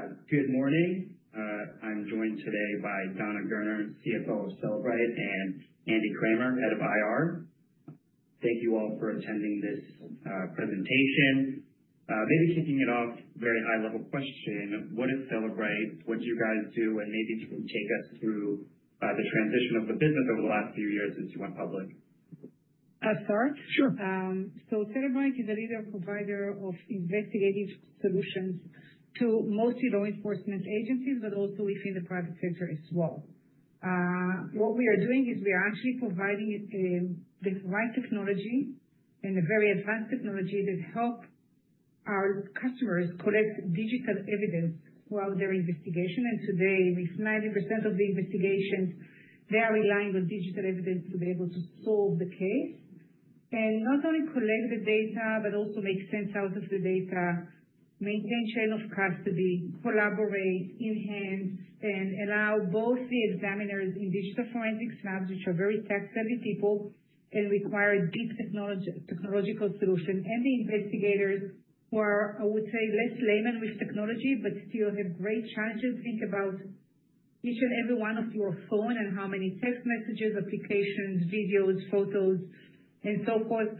Right. Good morning. I'm joined today by Dana Gerner, CFO of Cellebrite, and Andy Kramer, head of IR. Thank you all for attending this presentation. Maybe kicking it off, very high-level question. What is Cellebrite? What do you guys do? And maybe you can take us through the transition of the business over the last few years since you went public. I'll start. Sure. Cellebrite is a leader provider of investigative solutions to most law enforcement agencies, but also within the private sector as well. What we are doing is we are actually providing the right technology and the very advanced technology that help our customers collect digital evidence throughout their investigation. Today, with 90% of the investigations, they are relying on digital evidence to be able to solve the case. Not only collect the data, but also make sense out of the data, maintain chain of custody, collaborate, enhance, and allow both the examiners in digital forensics labs, which are very tech-savvy people and require deep technological solutions, and the investigators who are, I would say, less layman with technology but still have great challenges. Think about each and every one of your phone and how many text messages, applications, videos, photos, and so forth.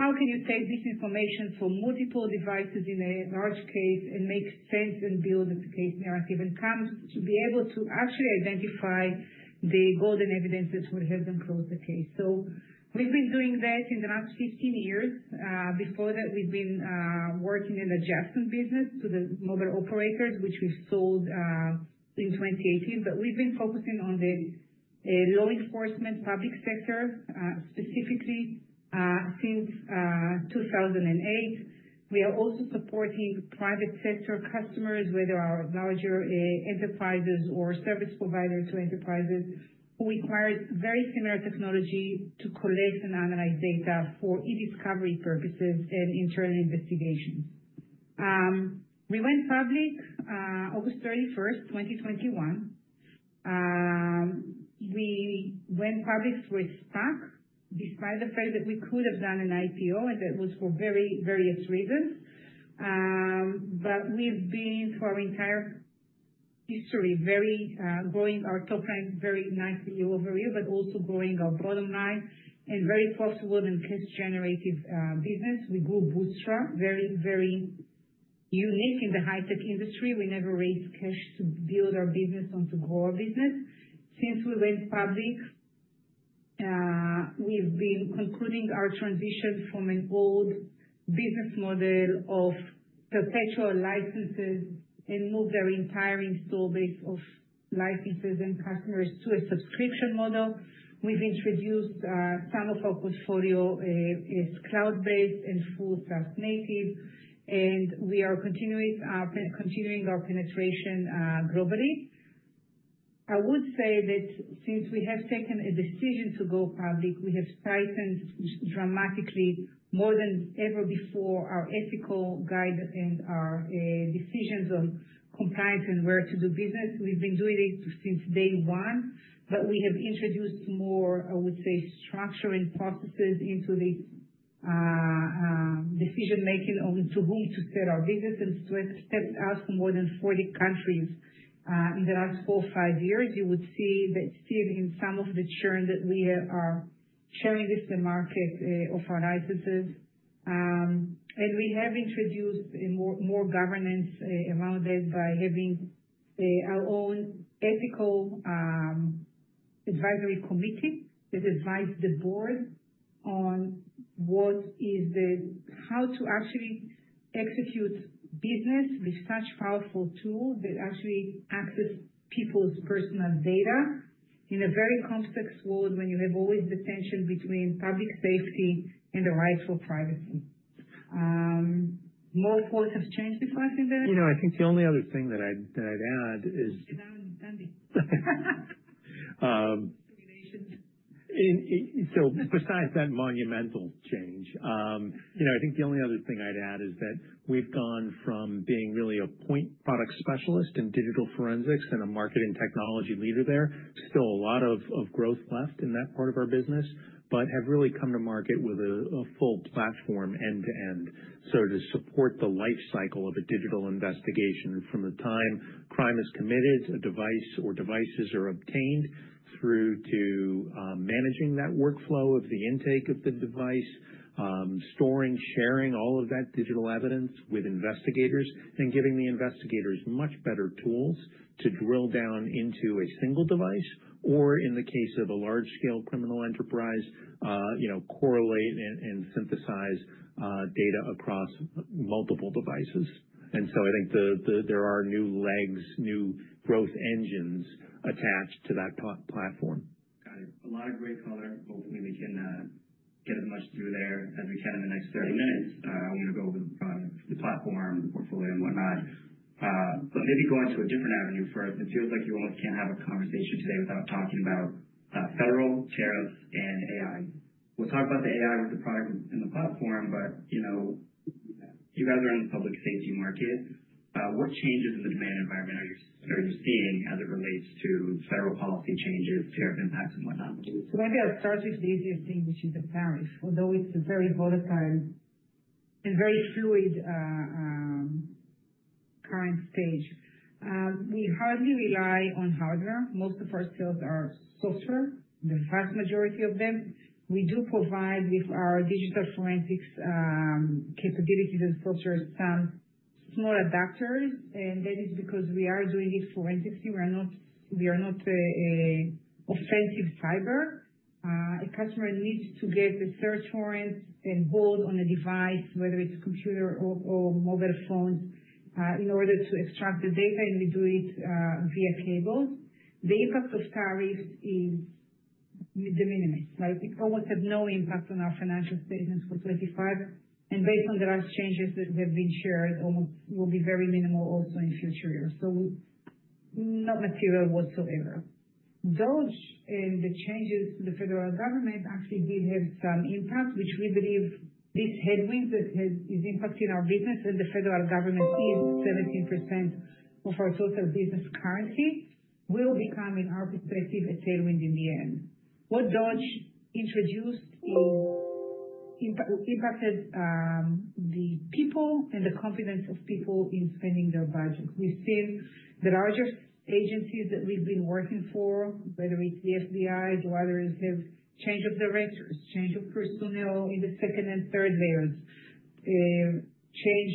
How can you take this information from multiple devices in a large case and make sense and build the case narrative and come to be able to actually identify the golden evidence that will help them close the case? We have been doing that in the last 15 years. Before that, we have been working in the Justin business to the mobile operators, which we sold in 2018. We have been focusing on the law enforcement public sector specifically since 2008. We are also supporting private sector customers, whether our larger enterprises or service providers to enterprises, who require very similar technology to collect and analyze data for e-discovery purposes and internal investigations. We went public August 31st, 2021. We went public with SPAC despite the fact that we could have done an IPO, and that was for very various reasons. We've been, for our entire history, growing our top line very nicely year-over-year, but also growing our bottom line and very profitable in case-generative business. We grew bootstrap, very, very unique in the high-tech industry. We never raised cash to build our business and to grow our business. Since we went public, we've been concluding our transition from an old business model of perpetual licenses and moved our entire install base of licenses and customers to a subscription model. We've introduced some of our portfolio as cloud-based and full SaaS native, and we are continuing our penetration globally. I would say that since we have taken a decision to go public, we have tightened dramatically, more than ever before, our ethical guide and our decisions on compliance and where to do business. We've been doing it since day one, but we have introduced more, I would say, structuring processes into the decision-making on to whom to sell our business and stepped out from more than 40 countries in the last four, five years. You would see that still in some of the churn that we are sharing with the market of our licenses. We have introduced more governance around it by having our own ethical advisory committee that advises the board on what is the how to actually execute business with such powerful tools that actually access people's personal data in a very complex world when you have always the tension between public safety and the right for privacy. More force of change before I think that. I think the only other thing that I'd add is. It's now understanding. Besides that monumental change, I think the only other thing I'd add is that we've gone from being really a point product specialist in digital forensics and a marketing technology leader there. Still a lot of growth left in that part of our business, but have really come to market with a full platform end-to-end. To support the life cycle of a digital investigation from the time crime is committed, a device or devices are obtained, through to managing that workflow of the intake of the device, storing, sharing all of that digital evidence with investigators, and giving the investigators much better tools to drill down into a single device, or in the case of a large-scale criminal enterprise, correlate and synthesize data across multiple devices. I think there are new legs, new growth engines attached to that platform. Got it. A lot of great color. Hopefully, we can get as much through there as we can in the next 30 minutes. I want to go over the platform, the portfolio, and whatnot. Maybe go into a different avenue first. It feels like you almost can't have a conversation today without talking about federal tariffs and AI. We'll talk about the AI with the product and the platform, but you guys are in the public safety market. What changes in the demand environment are you seeing as it relates to federal policy changes, tariff impacts, and whatnot? I guess start with the easiest thing, which is the tariffs, although it is a very volatile and very fluid current stage. We hardly rely on hardware. Most of our sales are software, the vast majority of them. We do provide with our digital forensics capabilities and software some small adapters, and that is because we are doing it forensically. We are not offensive cyber. A customer needs to get the search warrant and hold on a device, whether it is a computer or mobile phones, in order to extract the data, and we do it via cables. The impact of tariffs is the minimum. It almost had no impact on our financial statements for 2025. Based on the last changes that have been shared, almost will be very minimal also in future years. Not material whatsoever. DOGE and the changes to the federal government actually did have some impact, which we believe this headwind that is impacting our business and the federal government is 17% of our total business currently will become, in our perspective, a tailwind in the end. What DOGE introduced impacted the people and the confidence of people in spending their budget. We've seen the larger agencies that we've been working for, whether it's the FBI, the others have change of the renters, change of personnel in the second and third layers, change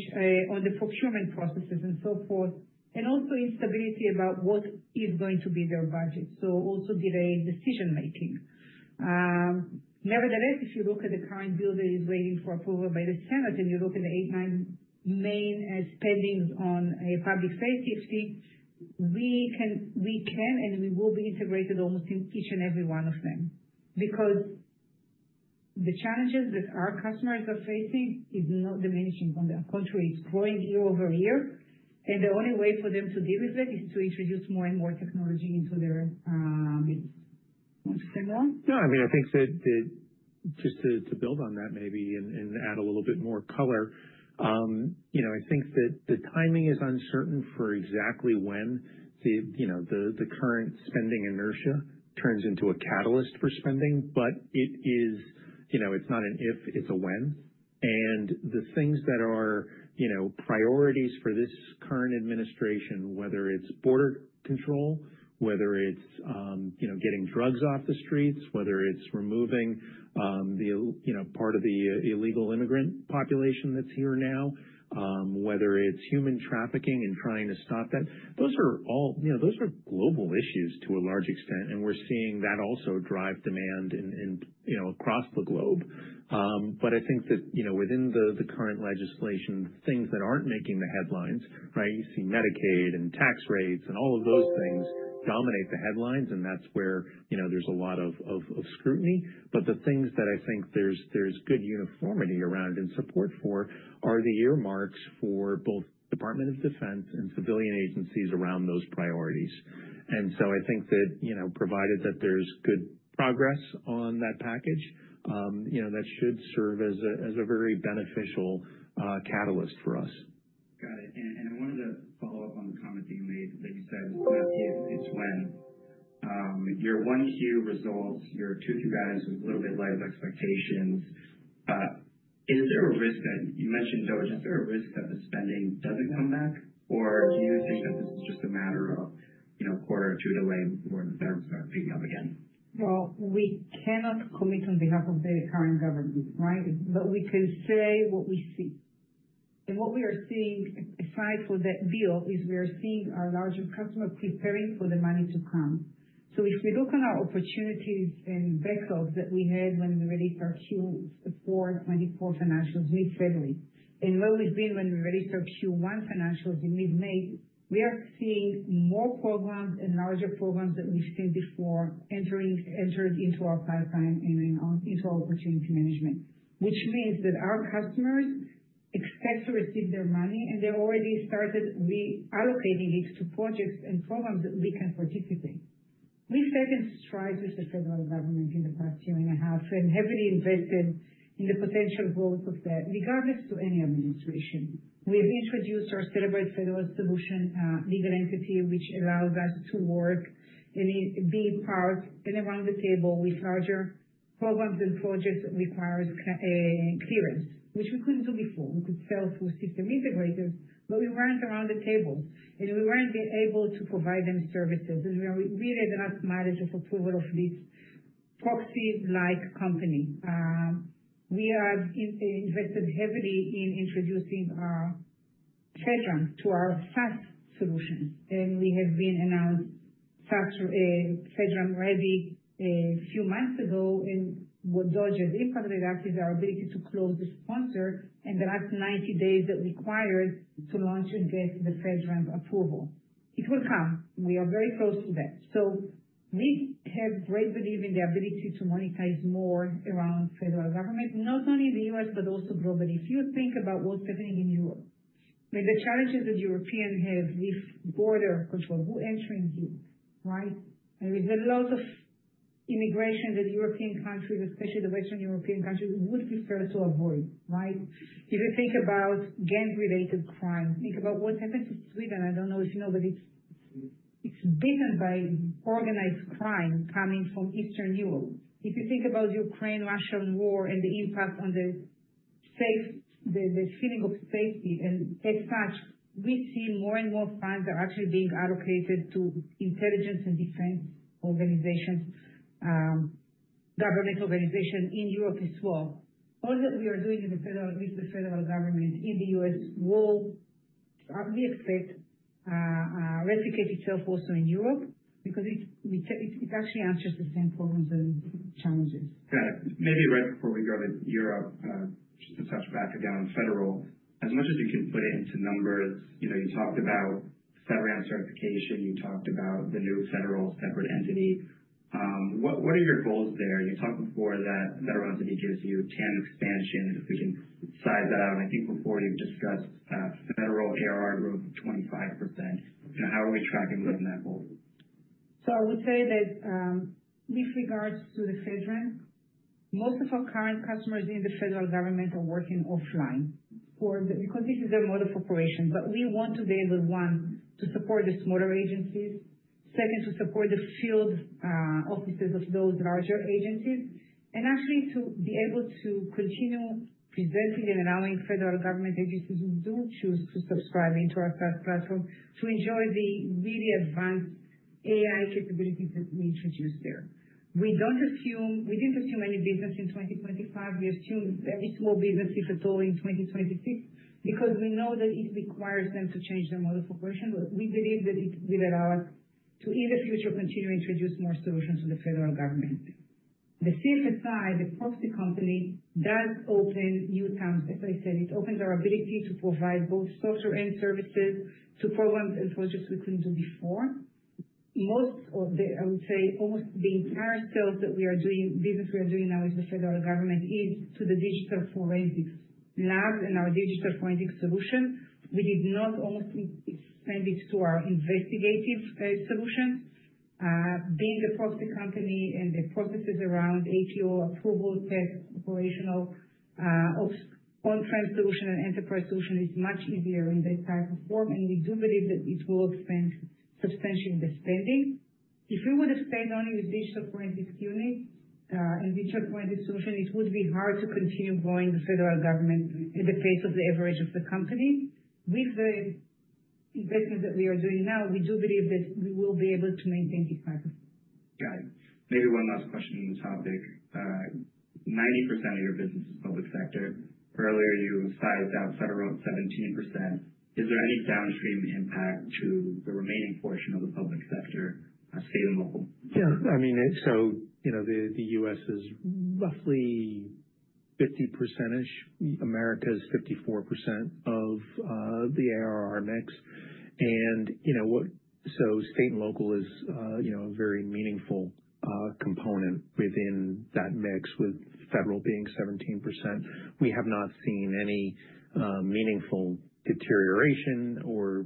on the procurement processes, and so forth, and also instability about what is going to be their budget. Also delayed decision-making. Nevertheless, if you look at the current bill that is waiting for approval by the Senate and you look at the eight, nine main spendings on public safety, we can and we will be integrated almost in each and every one of them because the challenges that our customers are facing is not diminishing. On the contrary, it's growing year over year. The only way for them to deal with it is to introduce more and more technology into their business. Want to say more? No, I mean, I think that just to build on that maybe and add a little bit more color, I think that the timing is uncertain for exactly when the current spending inertia turns into a catalyst for spending, but it's not an if, it's a when. The things that are priorities for this current administration, whether it's border control, whether it's getting drugs off the streets, whether it's removing part of the illegal immigrant population that's here now, whether it's human trafficking and trying to stop that, those are global issues to a large extent. We're seeing that also drive demand across the globe. I think that within the current legislation, the things that aren't making the headlines, right, you see Medicaid and tax rates and all of those things dominate the headlines, and that's where there's a lot of scrutiny. The things that I think there's good uniformity around and support for are the earmarks for both Department of Defense and civilian agencies around those priorities. I think that provided that there's good progress on that package, that should serve as a very beneficial catalyst for us. Got it. I wanted to follow up on the comment that you made that you said it's not the if, it's when. Your Q1 results, your Q2 guidance was a little bit less expectations. Is there a risk that you mentioned DOGE, is there a risk that the spending doesn't come back, or do you think that this is just a matter of a quarter or two delay before the firms start picking up again? We cannot commit on behalf of the current government, right? We can say what we see. What we are seeing, aside from that deal, is we are seeing our larger customers preparing for the money to come. If we look on our opportunities and backlogs that we had when we released our Q4 2024 financials mid-February, and where we've been when we released our Q1 financials in mid-May, we are seeing more programs and larger programs that we've seen before entered into our pipeline and into our opportunity management, which means that our customers expect to receive their money, and they already started reallocating it to projects and programs that we can participate. We've taken strides with the federal government in the past year and a half and heavily invested in the potential growth of that regardless to any administration. We've introduced our Cellebrite Federal Solution legal entity, which allows us to work and be part and around the table with larger programs and projects that require clearance, which we couldn't do before. We could sell through system integrators, but we weren't around the tables, and we weren't able to provide them services. We really had enough mileage of approval of this proxy-like company. We have invested heavily in introducing our FedRAMP to our SaaS solutions, and we have been announced SaaS FedRAMP ready a few months ago. What DOGE has impacted us is our ability to close the sponsor and the last 90 days that required to launch against the FedRAMP approval. It will come. We are very close to that. We have great belief in the ability to monetize more around federal government, not only in the U.S., but also globally. If you think about what's happening in Europe, I mean, the challenges that Europeans have with border control, who enters Europe, right? There is a lot of immigration that European countries, especially the Western European countries, would prefer to avoid, right? If you think about gang-related crime, think about what happened to Sweden. I don't know if you know, but it's bitten by organized crime coming from Eastern Europe. If you think about Ukraine, Russia war, and the impact on the feeling of safety, and as such, we see more and more funds that are actually being allocated to intelligence and defense organizations, government organizations in Europe as well. All that we are doing with the federal government in the U.S. will, we expect, replicate itself also in Europe because it actually answers the same problems and challenges. Got it. Maybe right before we go to Europe, just to touch back again on federal, as much as you can put it into numbers, you talked about the FedRAMP certification, you talked about the new federal separate entity. What are your goals there? You talked before that federal entity gives you 10 expansion if we can size that out. I think before you've discussed federal ARR growth of 25%. How are we tracking within that goal? I would say that with regards to the FedRAMP, most of our current customers in the federal government are working offline because this is their mode of operation. We want to be able to support the smaller agencies, second, to support the field offices of those larger agencies, and actually to be able to continue presenting and allowing federal government agencies who do choose to subscribe into our SaaS platform to enjoy the really advanced AI capabilities that we introduced there. We did not assume any business in 2025. We assumed every small business is a toll in 2026 because we know that it requires them to change their mode of operation. We believe that it will allow us to, in the future, continue to introduce more solutions to the federal government. The CFSI, the proxy company, does open new terms. As I said, it opens our ability to provide both software and services to programs and projects we could not do before. Most, I would say, almost the entire sales that we are doing, business we are doing now with the federal government is to the digital forensics labs and our digital forensic solution. We did not almost extend it to our investigative solutions. Being the proxy company and the processes around APO approval, tests, operational, on-prem solution, and enterprise solution is much easier in this type of form. We do believe that it will expand substantially the spending. If we would have stayed only with digital forensics unit and digital forensic solution, it would be hard to continue growing the federal government at the pace of the average of the company. With the investment that we are doing now, we do believe that we will be able to maintain this type of. Got it. Maybe one last question on the topic. 90% of your business is public sector. Earlier, you sized out federal at 17%. Is there any downstream impact to the remaining portion of the public sector, state and local? Yeah. I mean, the U.S. is roughly 50%-ish. America is 54% of the ARR mix. State and local is a very meaningful component within that mix, with federal being 17%. We have not seen any meaningful deterioration or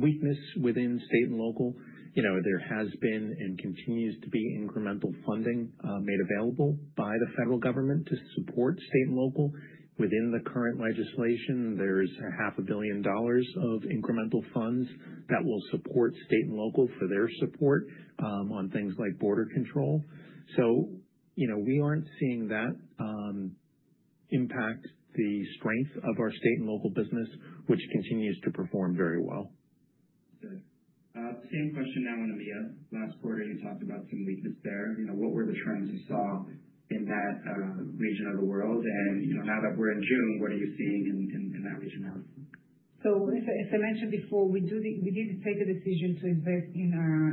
weakness within state and local. There has been and continues to be incremental funding made available by the federal government to support state and local. Within the current legislation, there is $500,000,000 of incremental funds that will support state and local for their support on things like border control. We aren't seeing that impact the strength of our state and local business, which continues to perform very well. Good. Same question now on EMEA. Last quarter, you talked about some weakness there. What were the trends you saw in that region of the world? Now that we're in June, what are you seeing in that region now? As I mentioned before, we did take a decision to invest in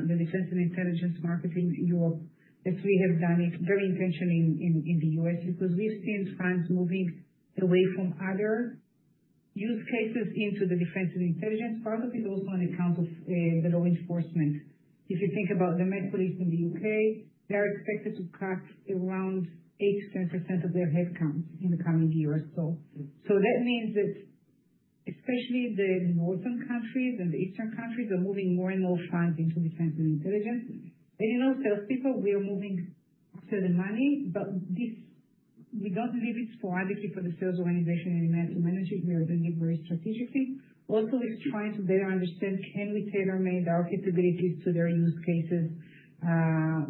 the defense and intelligence market in Europe. As we have done it very intentionally in the U.S., because we've seen funds moving away from other use cases into the defense and intelligence, part of it also on account of the law enforcement. If you think about the Met Police in the U.K., they're expected to cut around 8%-10% of their headcount in the coming year or so. That means that especially the northern countries and the eastern countries are moving more and more funds into defense and intelligence. In all salespeople, we are moving after the money, but we don't leave it for advocacy for the sales organization and medical management. We are doing it very strategically. Also, we're trying to better understand, can we tailor-make our capabilities to their use cases,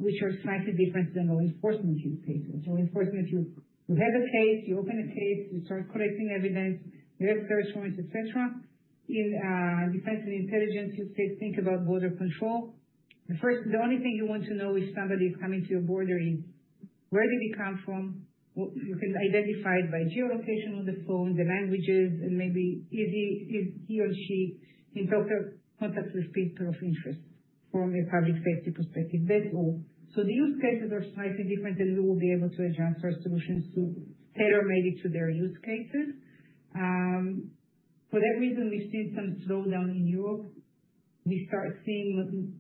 which are slightly different than law enforcement use cases. Law enforcement, you have a case, you open a case, you start collecting evidence, you have search warrants, etc. In defense and intelligence use case, think about border control. The only thing you want to know if somebody is coming to your border is where did he come from? You can identify it by geolocation on the phone, the languages, and maybe is he or she in contact with a people of interest from a public safety perspective. That's all. So the use cases are slightly different, and we will be able to adjust our solutions to tailor-make it to their use cases. For that reason, we've seen some slowdown in Europe. We start seeing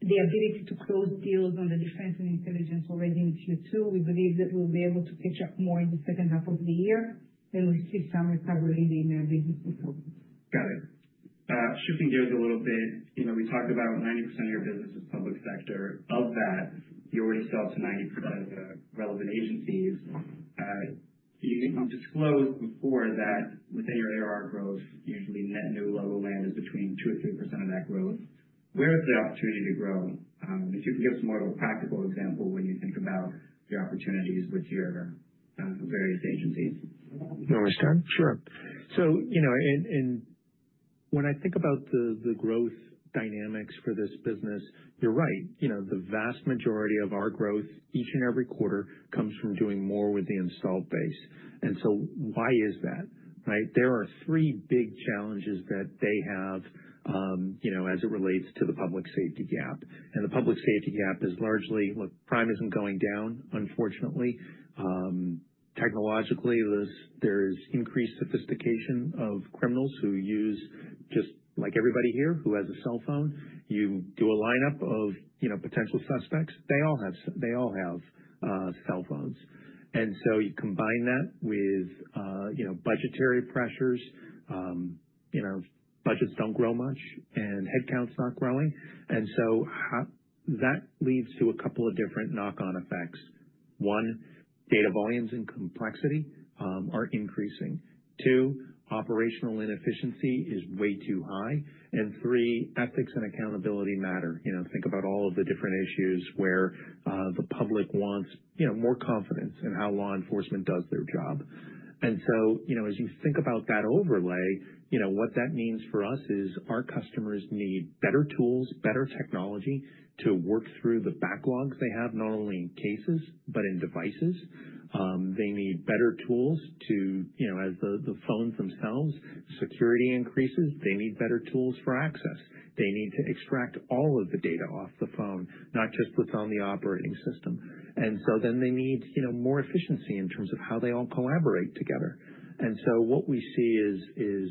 the ability to close deals on the defense and intelligence already in Q2. We believe that we'll be able to catch up more in the second half of the year, and we see some recovery in their business performance. Got it. Shifting gears a little bit, we talked about 90% of your business is public sector. Of that, you already sell to 90% of the relevant agencies. You disclosed before that within your ARR growth, usually net new local land is between 2% and 3% of that growth. Where is the opportunity to grow? If you can give us more of a practical example when you think about your opportunities with your various agencies. No, I understand. Sure. When I think about the growth dynamics for this business, you're right. The vast majority of our growth each and every quarter comes from doing more with the installed base. Why is that? There are three big challenges that they have as it relates to the public safety gap. The public safety gap is largely, look, crime isn't going down, unfortunately. Technologically, there is increased sophistication of criminals who use, just like everybody here who has a cell phone. You do a lineup of potential suspects. They all have cell phones. You combine that with budgetary pressures. Budgets do not grow much, and headcount's not growing. That leads to a couple of different knock-on effects. One, data volumes and complexity are increasing. Two, operational inefficiency is way too high. Three, ethics and accountability matter. Think about all of the different issues where the public wants more confidence in how law enforcement does their job. As you think about that overlay, what that means for us is our customers need better tools, better technology to work through the backlogs they have, not only in cases, but in devices. They need better tools to, as the phones themselves, security increases, they need better tools for access. They need to extract all of the data off the phone, not just what's on the operating system. They need more efficiency in terms of how they all collaborate together. What we see is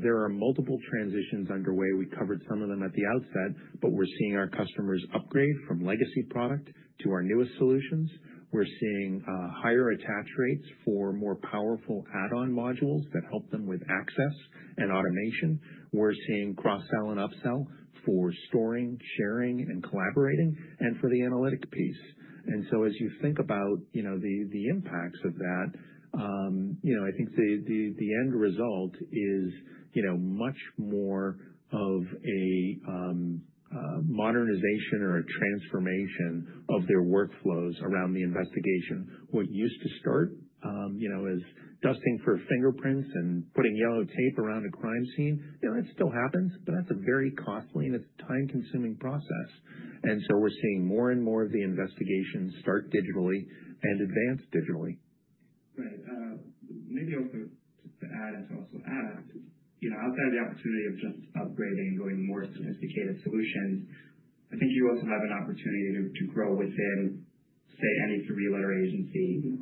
there are multiple transitions underway. We covered some of them at the outset, but we're seeing our customers upgrade from legacy product to our newest solutions. We're seeing higher attach rates for more powerful add-on modules that help them with access and automation. We're seeing cross-sell and upsell for storing, sharing, and collaborating, and for the analytic piece. As you think about the impacts of that, I think the end result is much more of a modernization or a transformation of their workflows around the investigation. What used to start as dusting for fingerprints and putting yellow tape around a crime scene, that still happens, but that's a very costly and it's a time-consuming process. We're seeing more and more of the investigations start digitally and advance digitally. Right. Maybe also just to add, outside of the opportunity of just upgrading and going to more sophisticated solutions, I think you also have an opportunity to grow within, say, any three-letter agency.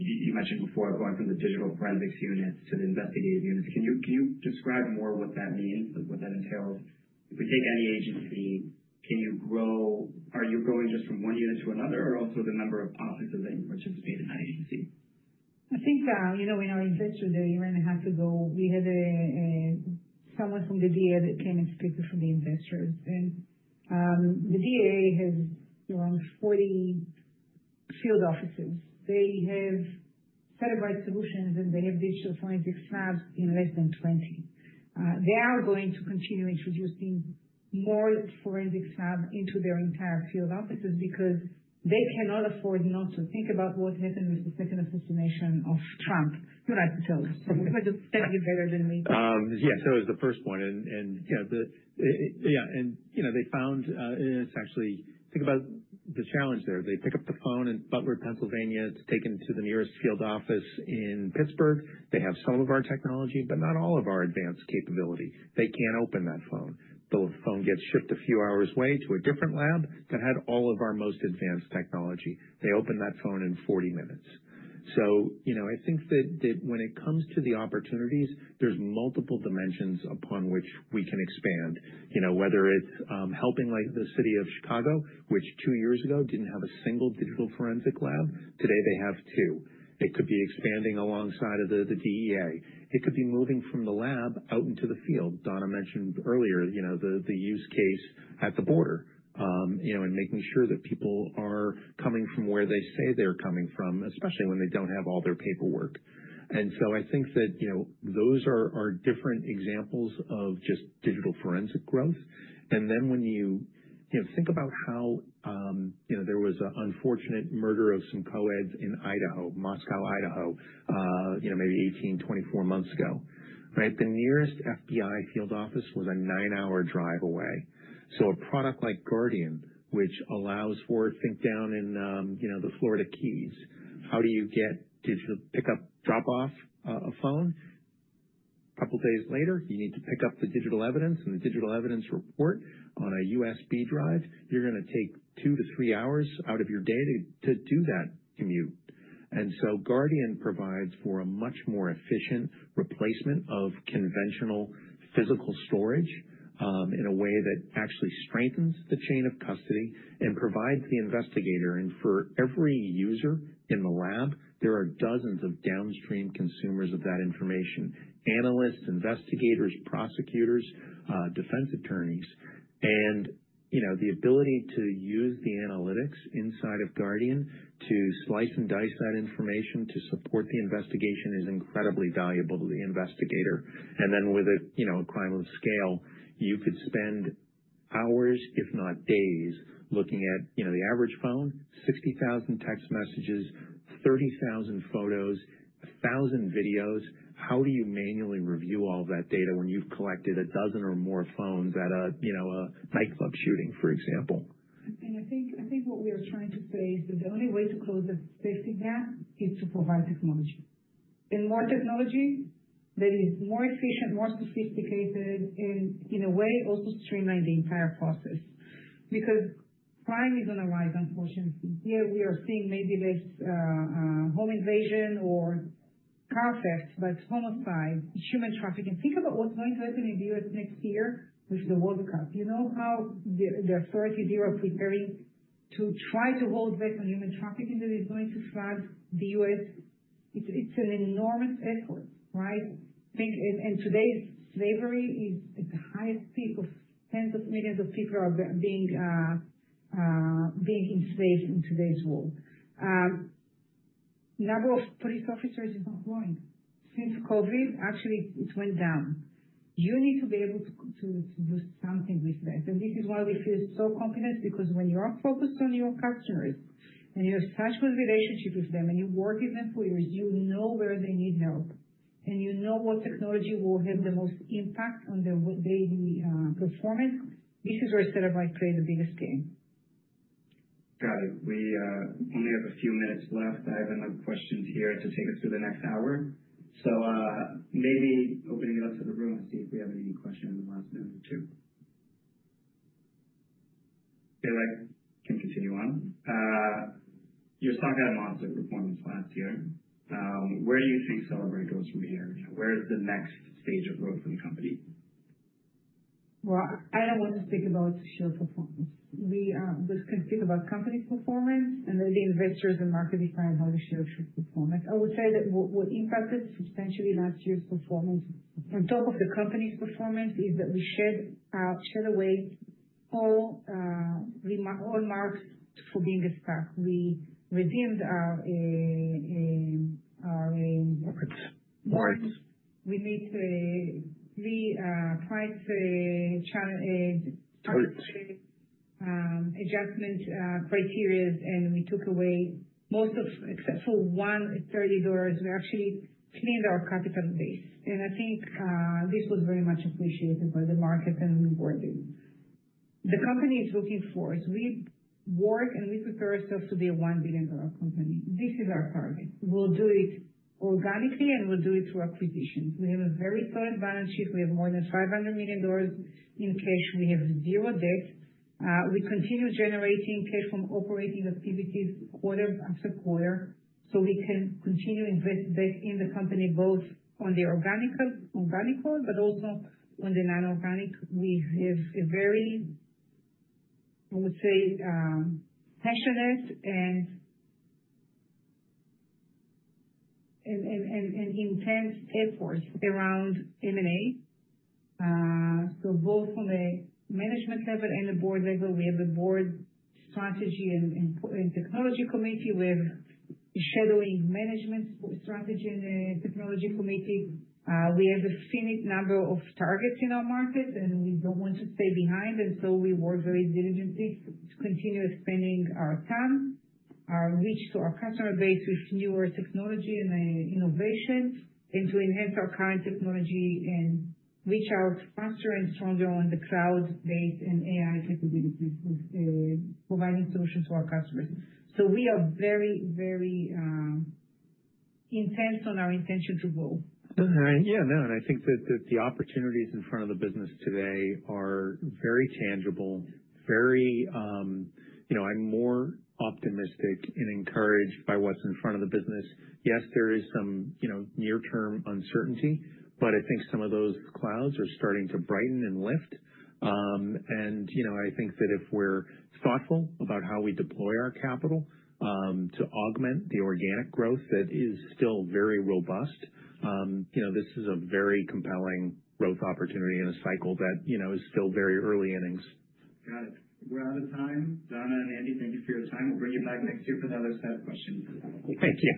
You mentioned before going from the digital forensics units to the investigative units. Can you describe more what that means, what that entails? If we take any agency, can you grow? Are you growing just from one unit to another, or also the number of offices that you participate in that agency? I think in our investor there, you're going to have to go. We had someone from the DA that came and spoke to some of the investors. And the DA has around 40 field offices. They have Cellebrite Solutions, and they have digital forensics labs in less than 20. They are going to continue introducing more forensics labs into their entire field offices because they cannot afford not to think about what happened with the second assassination of Trump. You're right to tell us. You're better than me. Yeah. It was the first one. Yeah, and they found, and it's actually, think about the challenge there. They pick up the phone in Butler, Pennsylvania. It's taken to the nearest field office in Pittsburgh. They have some of our technology, but not all of our advanced capability. They can't open that phone. The phone gets shipped a few hours away to a different lab that had all of our most advanced technology. They open that phone in 40 minutes. I think that when it comes to the opportunities, there's multiple dimensions upon which we can expand, whether it's helping the city of Chicago, which two years ago didn't have a single digital forensic lab. Today, they have two. It could be expanding alongside of the DEA. It could be moving from the lab out into the field. Donna mentioned earlier the use case at the border and making sure that people are coming from where they say they're coming from, especially when they don't have all their paperwork. I think that those are different examples of just digital forensic growth. When you think about how there was an unfortunate murder of some co-eds in Moscow, Idaho, maybe 18-24 months ago, right? The nearest FBI field office was a nine-hour drive away. A product like Guardian, which allows for, think down in the Florida Keys, how do you get digital pickup, drop off a phone? A couple of days later, you need to pick up the digital evidence and the digital evidence report on a USB drive. You're going to take two to three hours out of your day to do that commute. Guardian provides for a much more efficient replacement of conventional physical storage in a way that actually strengthens the chain of custody and provides the investigator. For every user in the lab, there are dozens of downstream consumers of that information analysts, investigators, prosecutors, defense attorneys. The ability to use the analytics inside of Guardian to slice and dice that information to support the investigation is incredibly valuable to the investigator. With a crime of scale, you could spend hours, if not days, looking at the average phone, 60,000 text messages, 30,000 photos, 1,000 videos. How do you manually review all that data when you've collected a dozen or more phones at a nightclub shooting, for example? I think what we are trying to say is that the only way to close the safety gap is to provide technology. More technology that is more efficient, more sophisticated, and in a way, also streamlines the entire process. Crime is on the rise, unfortunately. Here we are seeing maybe less home invasion or car theft, but homicide, human trafficking. Think about what is going to happen in the U.S. next year with the World Cup. You know how the authorities here are preparing to try to hold back on human trafficking that is going to flood the U.S.. It is an enormous effort, right? Today's slavery is at the highest peak of tens of millions of people being enslaved in today's world. The number of police officers is not growing. Since COVID, actually, it went down. You need to be able to do something with that. This is why we feel so confident because when you are focused on your customers and you have such good relationships with them and you work with employers, you know where they need help, and you know what technology will have the most impact on their performance, this is where Cellebrite plays the biggest game. Got it. We only have a few minutes left. I have enough questions here to take us through the next hour. Maybe opening it up to the room and see if we have any questions in the last minute or two. Feel like we can continue on. Your stock had a monster performance last year. Where do you think Cellebrite goes from here? Where is the next stage of growth for the company? I do not want to speak about share performance. We can speak about company performance and then the investors and marketing plan how the share should perform. I would say that what impacted substantially last year's performance on top of the company's performance is that we shed away all marks for being a stock. We redeemed our. Markets. Markets. We made three price adjustment criterias, and we took away most of except for one $30. We actually cleaned our capital base. I think this was very much appreciated by the market and rewarded. The company is looking for us. We work and we prepare ourselves to be a $1 billion company. This is our target. We'll do it organically, and we'll do it through acquisitions. We have a very solid balance sheet. We have more than $500 million in cash. We have zero debt. We continue generating cash from operating activities quarter-after-quarter so we can continue to invest back in the company both on the organical, but also on the non-organic. We have a very, I would say, passionate and intense efforts around M&A. Both on the management level and the board level, we have a board strategy and technology committee. We have a shadowing management strategy and technology committee. We have a finite number of targets in our market, and we don't want to stay behind. We work very diligently to continue expanding our reach to our customer base with newer technology and innovation and to enhance our current technology and reach out faster and stronger on the cloud-based and AI capabilities of providing solutions to our customers. We are very, very intense on our intention to grow. Yeah, no. I think that the opportunities in front of the business today are very tangible, very, I'm more optimistic and encouraged by what's in front of the business. Yes, there is some near-term uncertainty, but I think some of those clouds are starting to brighten and lift. I think that if we're thoughtful about how we deploy our capital to augment the organic growth that is still very robust, this is a very compelling growth opportunity in a cycle that is still very early innings. Got it. We're out of time. Dana and Andy, thank you for your time. We'll bring you back next year for another set of questions. Thank you.